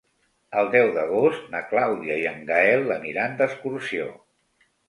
El deu d'agost na Clàudia i en Gaël aniran d'excursió.